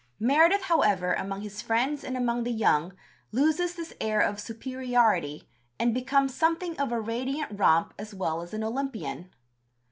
Meredith, however, among his friends and among the young, loses this air of superiority, and becomes something of a radiant romp as well as an Olympian.